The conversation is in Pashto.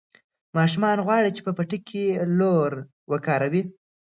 ماشوم غواړي چې په پټي کې لور وکاروي.